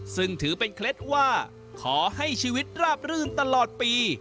ซึ่งถือเป็นเคล็ดว่าขอให้ชีวิตราบรื่นตลอดปี